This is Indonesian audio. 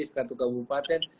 di satu kabupaten